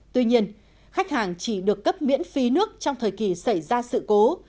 tuy nhiên khách hàng chỉ được cấp miễn phí nước trong thời kỳ xảy ra sự cố